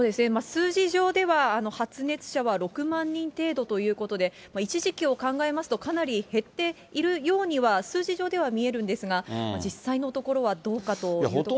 数字上では、発熱者は６万人程度ということで、一時期を考えますと、かなり減っているようには、数字上では見えるんですが、実際のところはどうかというところですよね。